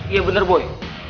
iya bener boy